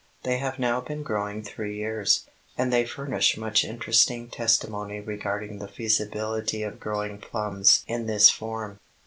They have now been growing three years, and they furnish much interesting testimony regarding the feasibility of growing plums in this form.